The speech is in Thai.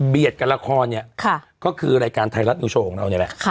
เดี๋ยวกันราคอนนี้ก็คือรายการไทยรัฐหนูโชว์ของเราเองแหละ